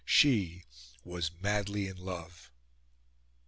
She was madly in love.